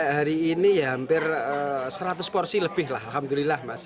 hari ini ya hampir seratus porsi lebih lah alhamdulillah mas